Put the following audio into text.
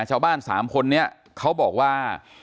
ชาวบ้านสามคนนี้เขาบอกว่า